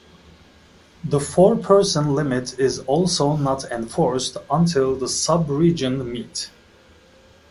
The four-person limit is also not enforced until the sub-region meet.